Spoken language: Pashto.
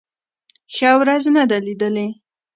ښه ورځ نه ده لېدلې.